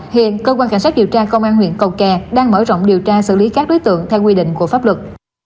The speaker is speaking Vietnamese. hiện cơ quan cảnh sát điều tra công an huyện cầu kè đang mở rộng điều tra xử lý các đối tượng theo quy định của pháp luật